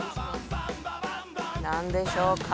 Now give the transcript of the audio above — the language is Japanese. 何でしょうか？